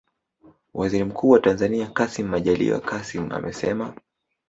Waziri Mkuu wa Tanzania Kassim Majaliwa Kassim amesema